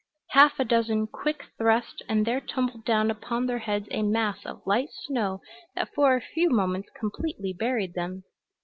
Half a dozen quick thrusts and there tumbled down upon their heads a mass of light snow that for a few moments completely buried them.